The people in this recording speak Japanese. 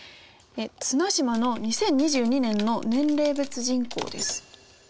綱島の２０２２年の年齢別人口です。